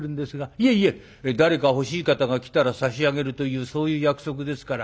いえいえ誰か欲しい方が来たら差し上げるというそういう約束ですから。